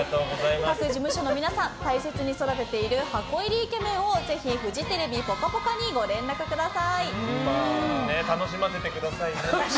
各事務所の皆さん大切に育てている箱入りイケメンをぜひフジテレビ「ぽかぽか」に楽しませてくださいね。